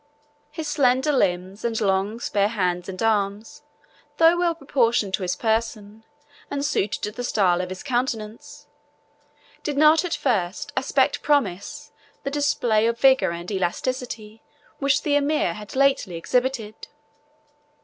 His slender limbs and long, spare hands and arms, though well proportioned to his person, and suited to the style of his countenance, did not at first aspect promise the display of vigour and elasticity which the Emir had lately exhibited.